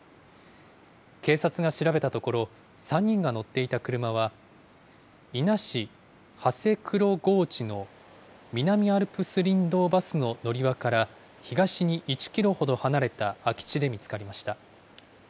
警察が調べたところ、３人が乗っていた車は、伊那市長谷黒河内の南アルプス林道バスの乗り場から、東に１キロほど離れた空き地で見つかりました。